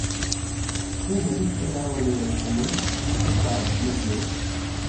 پھر نبی صلی اللہ علیہ وسلم ان کے ساتھ نکلے